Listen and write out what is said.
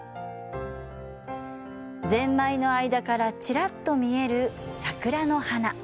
ぜんまいの間からちらっと見える桜の花。